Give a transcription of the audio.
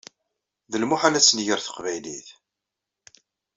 D lmuḥal ad tenger teqbaylit!